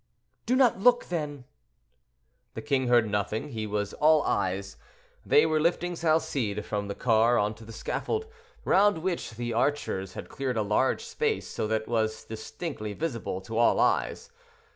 "Do not look, then." The king heard nothing; he was all eyes. They were lifting Salcede from the car on to the scaffold, round which the archers had cleared a large space, so that it was distinctly visible to all eyes.